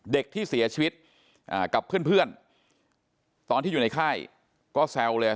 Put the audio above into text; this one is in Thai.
เด็กที่เสียชีวิตกับเพื่อนตอนที่อยู่ในค่ายก็แซวเลย